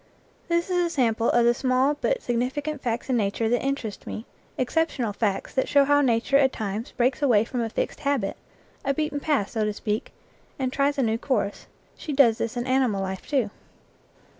This is a sample of the small but significant facts in nature that interest me exceptional facts that show how nature at times breaks away from a fixed habit, a beaten path, so to speak, and tries a new course. She does this in animal life too.